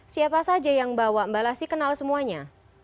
siapa saja yang bawa mbak lasti kenal semuanya